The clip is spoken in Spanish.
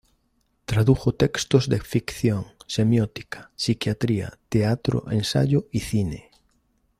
Tradujo textos de ficción, semiótica, psiquiatría, teatro, ensayo y cine.